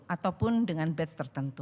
ataupun dengan batch tertentu